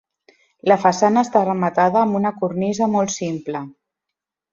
La façana està rematada amb una cornisa molt simple.